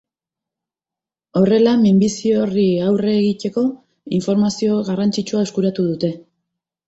Horrela, minbizi mota horri aurre egiteko informazio garrantzitsua eskuratu dute.